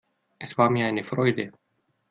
Es war mir eine Freude.